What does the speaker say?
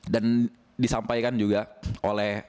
dan disampaikan juga oleh